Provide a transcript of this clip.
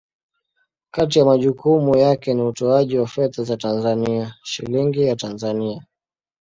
Kati ya majukumu yake ni utoaji wa fedha za Tanzania, Shilingi ya Tanzania.